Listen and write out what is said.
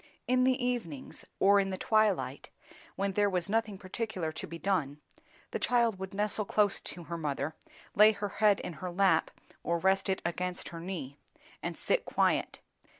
In the evenings, or in the twilight, when there was nothing particular to be done, the child would nestle close to her mother, lay her head in her lap or rest it against her knee, and sit quiet.